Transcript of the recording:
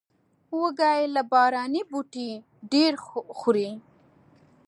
وزې له باراني بوټي ډېر خوري